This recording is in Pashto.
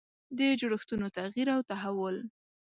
د جوړښتونو تغییر او تحول.